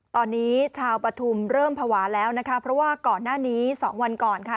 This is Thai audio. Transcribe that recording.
ตอนนี้ชาวปฐุมเริ่มภาวะแล้วนะคะเพราะว่าก่อนหน้านี้๒วันก่อนค่ะ